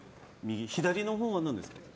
左のほうは何ですか？